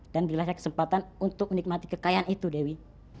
dan beri lesa kesempatan untuk menikmati kekayaan itu dewi